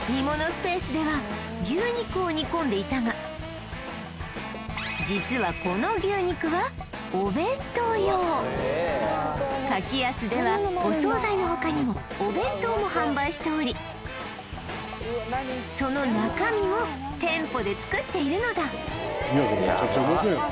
スペースでは牛肉を煮込んでいたが実はこの牛肉はお弁当用柿安ではお惣菜の他にもお弁当も販売しておりその中身も店舗で作っているのだヤバッ